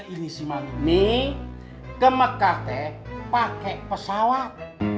ini sih mami ini ke mekate pakai pesawat